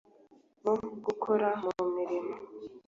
bo gukora mu mirima